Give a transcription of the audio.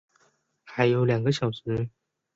还有两个小时